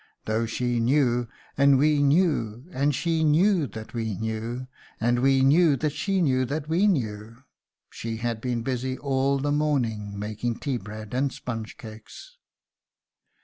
though she knew, and we knew, and she knew that we knew, and we knew that she knew that we knew, she had been busy all the morning making tea bread and sponge cakes!"